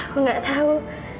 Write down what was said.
aku gak tau